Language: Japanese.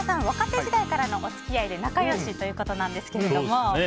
若手時代からのお付き合いで仲良しということなんですけども。